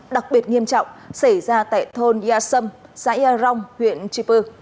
đặc biệt nghiêm trọng xảy ra tại thôn yà sâm xã yà rong huyện chê pư